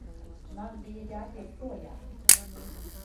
Man bija jātiek projām.